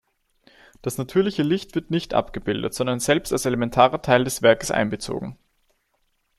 Das natürliche Licht wird nicht abgebildet, sondern selbst als elementarer Teil des Werkes einbezogen.